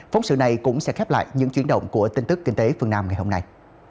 phóng sự này cũng sẽ khép lại những chuyển động của tin tức kinh tế phương nam ngày hôm nay